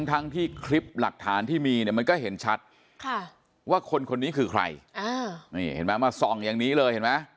ทั้งที่คลิปหลักฐานที่มีเนี่ยมันก็เห็นชัดว่าคนคนนี้คือใครนี่เห็นไหมมาส่องอย่างนี้เลยเห็นไหม